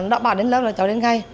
đã bảo đến lớp là cháu đến ngay